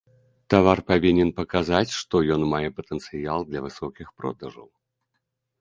Тавар павінен паказаць, што ён мае патэнцыял для высокіх продажаў.